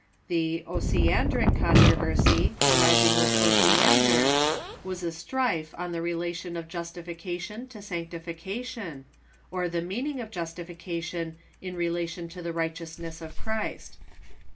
The Osiandric Contro versy, arising with Osiander, was a strife on the relation of jus tification to sanctification, or the meaning of justification in re lation to the righteousness of Christ.